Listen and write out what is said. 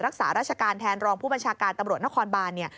รักษาราชการแทนรองผู้บัญชาการตำรวจนครบานเนี่ย